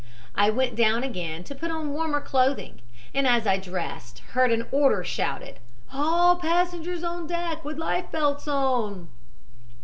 I went down again to put on warmer clothing, and as I dressed heard an order shouted, 'All passengers on deck with life belts on.'